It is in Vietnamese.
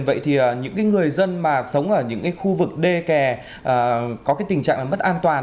vậy thì những người dân mà sống ở những khu vực đê kè có tình trạng mất an toàn